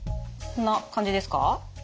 こんな感じですか？